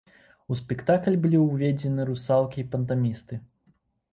У спектакль былі ўведзены русалкі і пантамімісты.